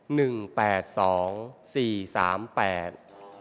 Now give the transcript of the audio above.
แปดสองสี่สามแปด